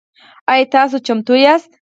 آیا تاسو چمتو یاست؟